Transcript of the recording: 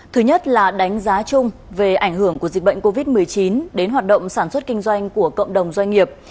thứ nhất là đánh giá chung về ảnh hưởng của dịch bệnh covid một mươi chín đến hoạt động sản xuất kinh doanh của cộng đồng doanh nghiệp